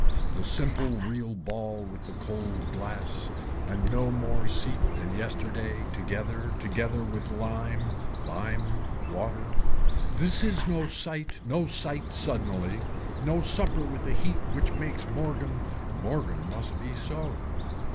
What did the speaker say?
The simple real ball with a cold glass and no more seat than yesterday together together with lime, lime water. This is no sight, no sight suddenly, no supper with a heat which makes morgan, morgan must be so.